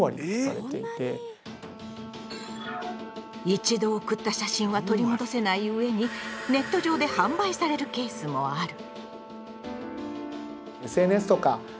一度送った写真は取り戻せないうえにネット上で販売されるケースもある。